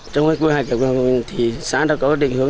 trong cái quy hoạch thì xã đã có định hướng